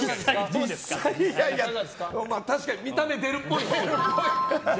確かに見た目出るっぽいですよ。